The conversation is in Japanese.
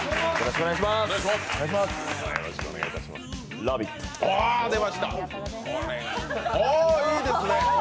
お、いいですね。